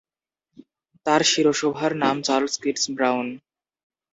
তার শিরোশোভার নাম চার্লস কিটস ব্রাউন।